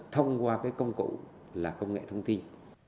thông qua công cụ là công nghệ thông tin